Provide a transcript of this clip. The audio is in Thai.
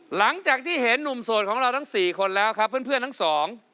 หลังจากที่เห็นหนุ่มโสดของเราทั้งสี่คนแล้วครับเพื่อนเพื่อนทั้งสอง